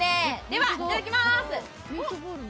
では、いただきます。